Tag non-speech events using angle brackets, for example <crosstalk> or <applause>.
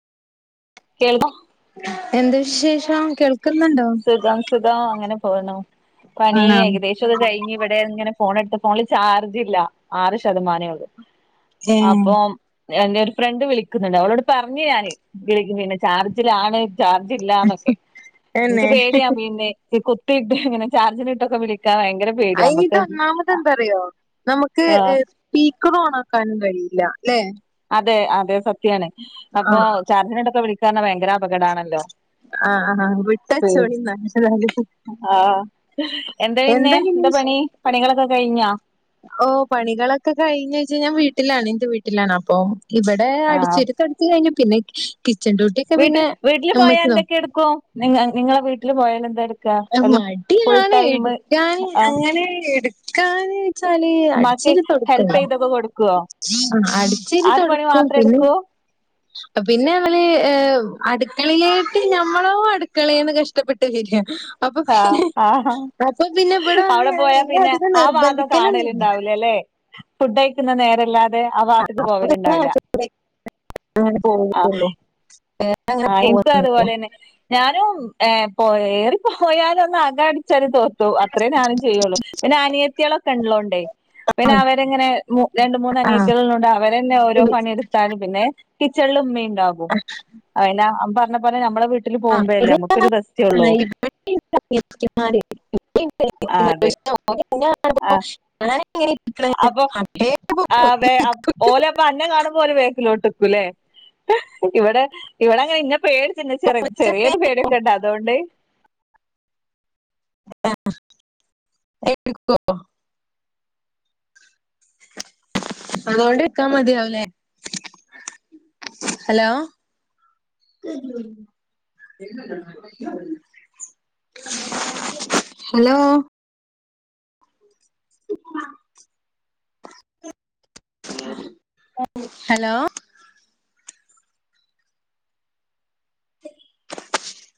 കേൾക്കോ എന്ത് വിശേഷം കേൾക്ക സുഖം സുഖം അങ്ങനെ പോണു പണി ആണോ ഏകദേശം ഒക്കെ കഴിഞ്ഞഞ് ഇവിടെ ഇങ്ങനെ ഫോണ എടുത്ത ഫോണില് ചാർജ്ല്ല ആറ് ശതമാനേ ഉള്ളൂ ഏ അപ്പൊ എറെ ഒരു ഫ്രണ്ട് വിളിക്കുന്നുണ്ട് അവളോട് പറഞ്ഞഞ് ഞാാന് വിളിക്ക പിന്നെ ചാർജിലാണ് ചാർജ് ഇല്ലാന്നൊക്കെ നിങ്ങക്ക് തന്നെ പേടിയ പിന്നെ കൊത്തിയിട്ട് അങ്ങനെ ചാർജിന ഇട്ടൊക്കെ വിളിക്ക അതിന്റെ ഒന്നാമത് എന്താ പറയോ നമുക്ക് ആഹ് സ്പീക്കർ ഓൺ ആക്കാനും കഴിയും ഇല്ല അല്ലെ അതെ അതെ സത്യാണ് അപ്പോൊ ആഹ് ചാർജനോടൊക്കെ വിളിക്കാ ഭയങ്കര അപകടമാണല്ലോ ആഹ് ആ വിട്ടട്ട സോടി ന ആഹ എന്താ പിന്നെ എന്താ പണി പണികളൊക്കെ കഴിഞ്ഞാ ഓ പണികളൊക്കെ കഴിഞ്ഞച്ചാ ഞാൻ വീട്ടിലാണ് എന്റെ വീട്ടിലാണ് അപ്പൊ ഇവിടെ ആഹ് അടിച്ചിരിത്ത് എടുത്ത് കഴിഞ്ഞു പിന്നെ കിച്ചൺ ഡ്യൂട്ടിയ ഒക്കെ പിന്നെ അമ്മച്ചന്നോ നി നിങ്ങളെ വീട്ടിൽ പോയാല എന്തായാലും മടിയാണ് എടുക്കാൻ ആ അങ്ങനെ എടുക്കാൻ വെച്ചാല് അ ഉമ്മാക്ക് ഹെൽപ് ചെയ്തക്ക കൊടുക്കുവോ ആ് അടിച്ചരി ആ ഒരു പണി തുടക്കും മാത്രം പിന്നെ എടുക്കൂ പിന്നെ അവര് അടുക്കളയിലായിട്ട് ഞമ്മളോ അടുക്കളയന്ന് കഷ്ടപ്പെട്ടു ശരി <inaudible> ആഹ് ആ ഇവിടെ വന്ന് അവിടെ ഞാൻ പോയാ ഇന്നെ പിന്നെ അധികം ആ വാദം നിർബന്ധിക്കലൊന്നുല്ല. കാണലുണ്ടാവൂല അല്ലേ ഫുഡ് കഴിക്കുന്ന നേരെല്ലാത അെ ആ ഭാത്തക്ക് പോവല ഇണ്ടാവൂലാ ആ <unintelligible> ആ ഇനിക്ക് അതുപോലെ തന്നെ ഞാനും ഏ പോയറി പോയാലും ഒന്ന് അക അടിച്ച രി തോത്തും അത്രേ ഞാനും ചെയ്യുള്ളൂ പിന്നെ അനിയത്തികളൊക്കെ ഉള്ളോണ്ടേ പിന്നെ അവരെങ്ങനെ രണ്ട മൂന്ന് ആഹ് ആഹ് അനിയത്തിുകളുണ്ട് അവരന്നെ ഓരോ പിന്നെ പണിയെടുത്താലും പിന്നെ കിച്ചൺല് മ്മീ ഉണ്ടാകും അന പറഞ്ഞ പോലെ നമ്മളെ വീട്ടില് പോകുമ്പോല്ലേ നമുക്കൊ ഒരു റസ്റ്റൂള്ളൂ ആഹ് അതെ ആഹ് <unintelligible> അപ്പൊ ആ ഓലെ അപ്പൊ അന്നം കാണുമ്പോലെ വേക്കിലോട്ട് <unintelligible> ല്ലെ ഇവിടെ ഇവിടെങ്ങനെ ഇന്ന പേ പിന്നെ ചെറ ചെറിയൊരു പേടയൊക്കെണ്ട് അതോണ്ട് ആ <unintelligible> അതുകൊണ്ട് ക്കാൻ മതിയാവുലേ ഹലോ <unintelligible> ഹലോ ഹലോ